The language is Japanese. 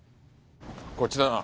こっちだな。